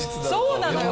そうなのよ！